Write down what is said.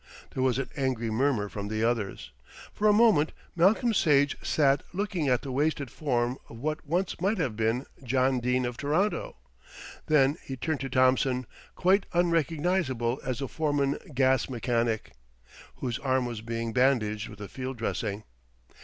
There was an angry murmur from the others. For a moment Malcolm Sage sat looking at the wasted form of what once might have been John Dene of Toronto. Then he turned to Thompson, quite unrecognisable as the foreman gas mechanic, whose arm was being bandaged with a field dressing.